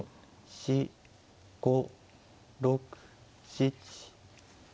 ４５６７。